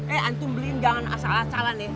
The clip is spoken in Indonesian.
eh antum beliin jangan salah salah nih